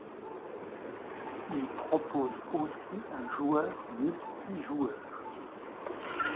Il propose aussi un joueur multijoueur.